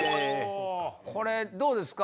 これどうですか？